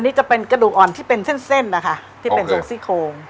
นี่จะเป็นกระดูกอ่อนที่เป็นเส้นเส้นนะคะที่เป็นทรงซี่โคง